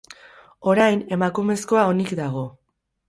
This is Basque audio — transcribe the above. Orain emakumezkoa onik dago.